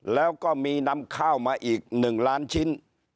แล้วก็มีนำข้าวมาอีก๑ล้านชิ้น